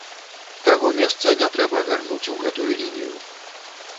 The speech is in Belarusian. Таго месца не трэба гарнуць у гэтую лінію.